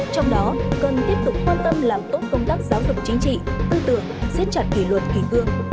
trong đó cần tiếp tục quan tâm làm tốt công tác giáo dục chính trị tư tưởng siết chặt kỷ luật kỷ cương